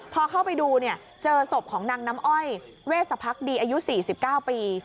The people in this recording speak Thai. พอเข้าไปดูเจอศพของนางน้ำอ้อยเวสพักดีอายุ๔๙ปี